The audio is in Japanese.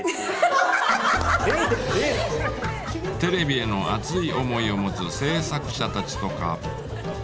テレビへの熱い思いを持つ制作者たちとか。